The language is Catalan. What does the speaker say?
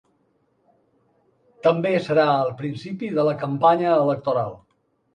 També serà el principi de la campanya electoral.